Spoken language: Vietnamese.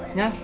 con không sợ